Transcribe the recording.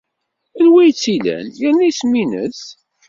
Anwa ay tt-ilan yerna isem-nnes?